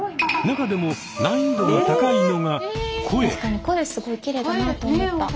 中でも難易度が高いのが声。